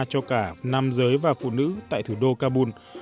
cho cả nam giới và phụ nữ tại thủ đô kabul